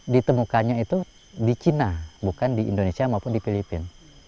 ditemukannya itu di china bukan di indonesia maupun di filipina